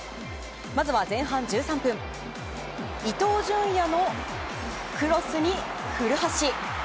まず、前半１３分伊東純也のクロスに古橋。